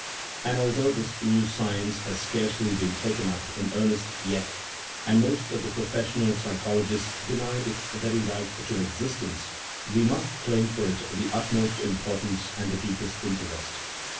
And, although this new science has scarcely been taken up in earnest yet, and most of the " professional " psychologists deny its very right to existence, we must claim for it the ut most importance and the deepest interest.